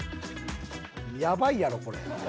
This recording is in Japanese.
ヤバいやろこれ。